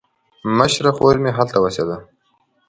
مشره خور مې هلته اوسېده.